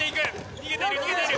逃げている逃げている。